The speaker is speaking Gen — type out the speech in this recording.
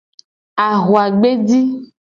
Ahuagbeji.